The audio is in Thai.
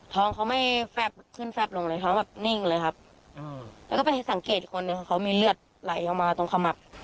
ท้องเขาไม่แฟบขึ้นแฟบลงเลยท้องแบบนิ่งเลยครับแล้วก็ไปสังเกตอีกคนนึงเขามีเลือดไหลออกมาตรงขมับ